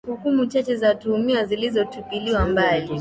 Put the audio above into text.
hukumu chache za watuhumiwa zilitupiliwa mbali